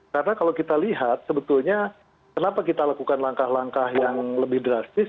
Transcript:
karena kalau kita lihat sebetulnya kenapa kita lakukan langkah langkah yang lebih drastis